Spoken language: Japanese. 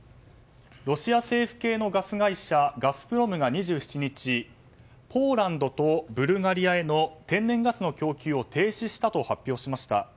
ロシア政府系のガス会社ガスプロムが２７日ポーランドとブルガリアへの天然ガスの供給を停止したと発表しました。